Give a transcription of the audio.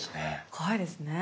怖いですね。